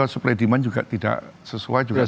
supply demand juga tidak sesuai juga